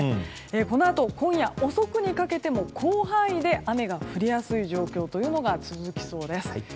このあと今夜遅くにかけても広範囲で雨が降りやすい状況が続きそうです。